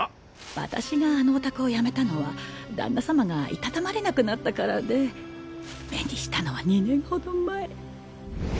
私があのお宅を辞めたのは旦那様がいたたまれなくなったからで目にしたのは２年ほど前。